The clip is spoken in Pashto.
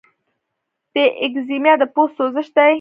د ایکزیما د پوست سوزش دی.